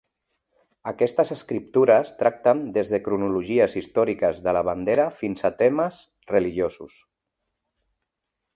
Aquestes escriptures tracten des de cronologies històriques de la bandera fins a temes religiosos.